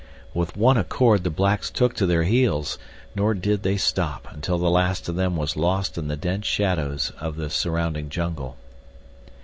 With one accord the blacks took to their heels; nor did they stop until the last of them was lost in the dense shadows of the surrounding jungle.